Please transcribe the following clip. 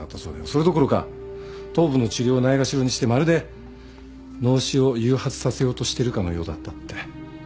それどころか頭部の治療をないがしろにしてまるで脳死を誘発させようとしてるかのようだったって。